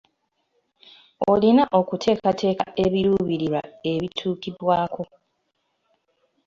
Olina okuteekateeka ebiruubirirwa ebituukibwako.